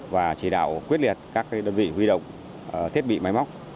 và chỉ đạo quyết liệt các đơn vị huy động thiết bị máy móc